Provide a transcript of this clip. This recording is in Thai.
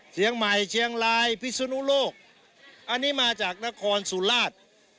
เชียงใหม่เชียงรายพิศนุโลกอันนี้มาจากนครสุราช